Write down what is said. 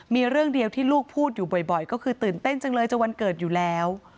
มีเรื่องเดียวที่ลูกพูดอยู่บ่อยก็คือตื่นเต้นจังเลยจะวันเกิดอยู่แล้ว